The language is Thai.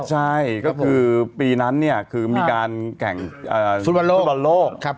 ใช่ก็คือปีนั้นคือมีการแข่งสุดบันโลก